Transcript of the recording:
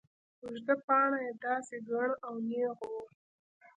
اوږده باڼه يې داسې گڼ او نېغ وو.